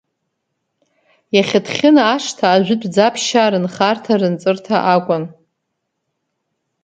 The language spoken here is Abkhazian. Иахьа Ҭхьына ашҭа ажәытә Ӡаԥшьаа рынхарҭа-рынҵырҭа акәын.